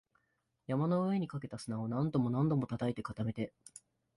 山の上にかけた砂を何度も何度も叩いて、固めて